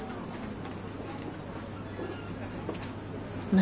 何？